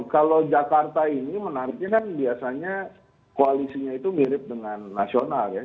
kalau jakarta ini menariknya kan biasanya koalisinya itu mirip dengan nasional ya